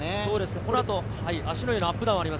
この後、芦之湯のアップダウンがあります。